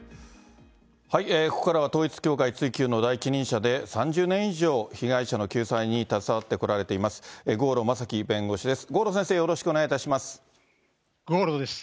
ここからは統一教会追及の第一人者で、３０年以上、被害者の救済に携わってこられておられます郷路征記弁護士です。